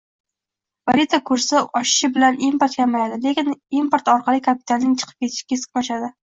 Valyuta kursi oshishi bilan import kamayadi, lekin import orqali kapitalning chiqib ketishi keskin oshadi